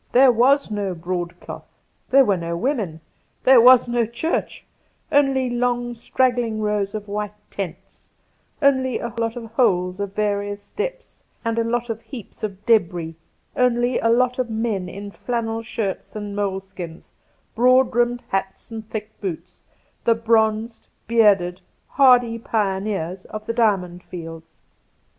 There was no broadcloth, there were no women, there was no church — only long straggling rows of white tents, only a lot of holes of various depths and a lot of heaps of debris, only a lot of men in flannel shirts and moleskins, broad brimmed hats and thick boots, the bronzed, bearded, hardy pioneers of the Diamond Fields.